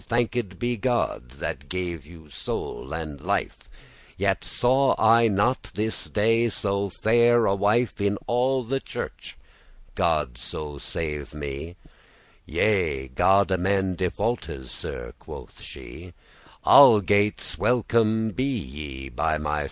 * *whit Thanked be God, that gave you soul and life, Yet saw I not this day so fair a wife In all the churche, God so save me," "Yea, God amend defaultes, Sir," quoth she; "Algates* welcome be ye, by my fay."